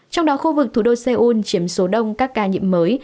trong đó khu vực thủ đô seoul chiếm số đông các ca nhiễm mới